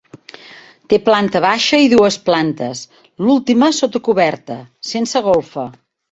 Té planta baixa i dues plantes, l'última sota coberta, sense golfa.